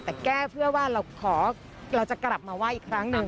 แต่แก้เพื่อว่าเราขอเราจะกลับมาไหว้อีกครั้งหนึ่ง